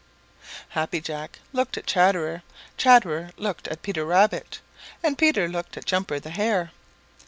Happy Jack looked at Chatterer, Chatterer looked at Peter Rabbit, and Peter looked at Jumper the Hare.